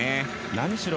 何しろ